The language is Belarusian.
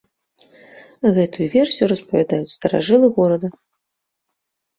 Гэтую версію распавядаюць старажылы горада.